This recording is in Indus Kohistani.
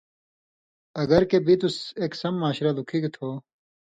اگر کہ بِتُس اک سم معاشرہ لُکِھگ تھو